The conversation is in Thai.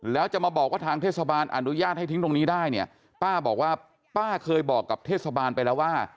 แล้วจะมาบอกว่าทางเทศบาลอนุญาตให้ทิ้งตรงนี้ได้เนี่ยป้าบอกว่าป้าเคยบอกกับเทศบาลไปแล้วว่า